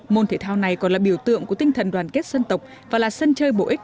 môn thể thao này còn là biểu tượng của tinh thần đoàn kết dân tộc và là sân chơi bổ ích